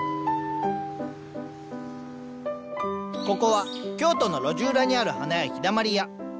ここは京都の路地裏にある花屋「陽だまり屋」。